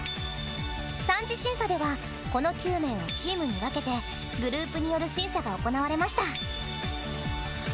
３次審査ではこの９名をチームに分けてグループによる審査が行われました。